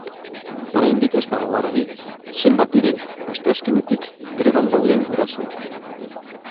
Oraindik ez dago argi zenbat diren asteazkenetik greban dauden gurasoak.